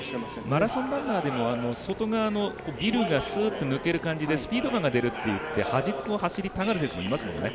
マラソンランナーでも外側のビルがスーッと抜ける感じでスピード感が出るっていって端っこを走りたがる選手がいますもんね。